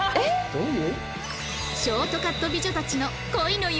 どういう？